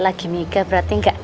terima kasih presiden